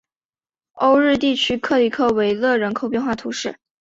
欧日地区克里克维勒人口变化图示